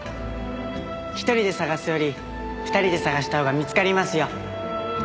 １人で捜すより２人で捜したほうが見つかりますよ。